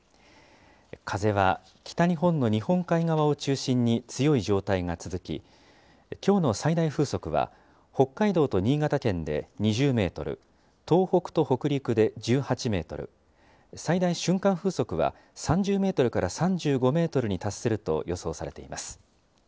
風は北日本の日本海側を中心に強い状態が続き、きょうの最大風速は、北海道と新潟県で２０メートル、東北と北陸で１８メートル、最大瞬間風速は３０メートルから３５メートルに達すると予想されています。